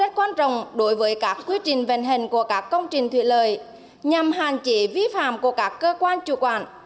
rất quan trọng đối với các quy trình vận hành của các công trình thủy lợi nhằm hạn chế vi phạm của các cơ quan chủ quản